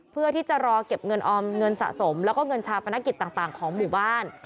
เพื่อที่จะรอเก็บเงินออมเงินสะสมแล้วก็เงินชาปนกิจต่างของหมู่บ้าน